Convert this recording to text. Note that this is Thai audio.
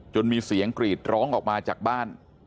มีเสียงกรีดร้องออกมาจากบ้าน